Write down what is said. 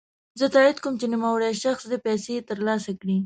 زه تاييد کوم چی نوموړی شخص دي پيسې ترلاسه کړي.